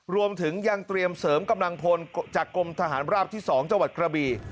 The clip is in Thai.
รวมถึงยังเตรียมเสริมกำลังพลจากกรมทหารราบที่๒จังหวัดกระบี